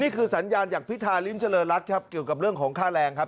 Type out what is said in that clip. สัญญาณจากพิธาริมเจริญรัฐครับเกี่ยวกับเรื่องของค่าแรงครับ